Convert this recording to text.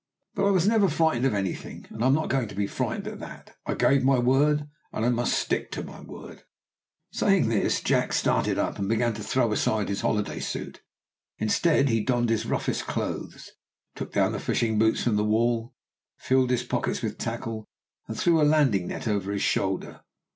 But I was never frightened at any thing, and I am not going to be frightened at that. I gave my word, and I must stick to my word." Saying this, Jack started up, and began to throw aside his holiday suit. Instead, he donned his roughest clothes, took down the fishing boots from the wall, filled his pockets with tackle, and threw a landing net over his shoulder.